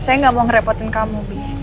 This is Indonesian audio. saya gak mau ngerepotin kamu